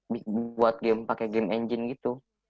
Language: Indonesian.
belajar pakai game engine gitu